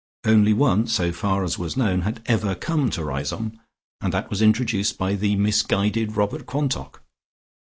Only one, so far as was known, had ever come to Riseholme, and that was introduced by the misguided Robert Quantock.